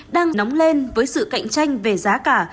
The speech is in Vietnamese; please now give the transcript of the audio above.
đang nóng lên với sự cạnh tranh về giá cả